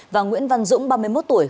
và nguyễn văn dũng ba mươi một tuổi